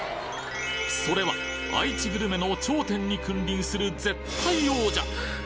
それは、愛知グルメの頂点に君臨する絶対王者。